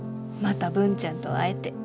また文ちゃんと会えて。